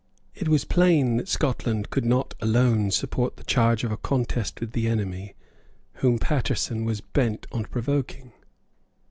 It was plain that Scotland could not alone support the charge of a contest with the enemy whom Paterson was bent on provoking.